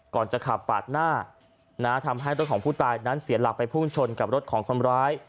ก่อนจะขับปาดหน้าทำให้รถของผู้ตายนั้นเสียหลักไปพุ่งชนกับรถของคนร้าย